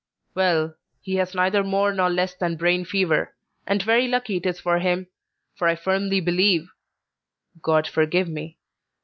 "Well, he has neither more nor less than brain fever, and very lucky it is for him, for I firmly believe (God forgive me!)